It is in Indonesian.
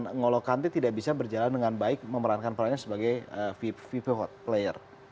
dan n'olo kante tidak bisa berjalan dengan baik memerankan perannya sebagai vv hot player